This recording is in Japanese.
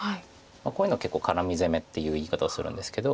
こういうの結構カラミ攻めっていう言い方をするんですけど。